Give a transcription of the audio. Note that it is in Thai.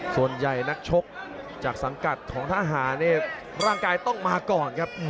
ส่วนใหญ่นักชกจากสังกัดของทหารเนี่ยร่างกายต้องมาก่อนครับ